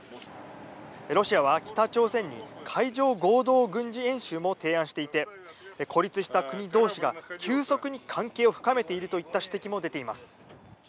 ロシアは、北朝鮮に海上合同軍事演習も提案していて孤立した国同士が急速に関係を深めているといった指摘も出ています。